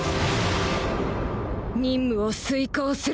任務を遂行する